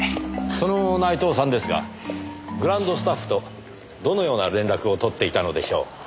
その内藤さんですがグランドスタッフとどのような連絡を取っていたのでしょう？